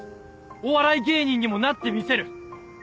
お笑い芸人にもなってみせる！